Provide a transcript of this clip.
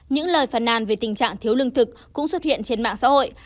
những lời phản nàn về tình trạng thiếu lương thực cũng xuất hiện trên mạng xã hội